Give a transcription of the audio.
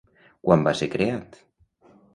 Quan va ser creat?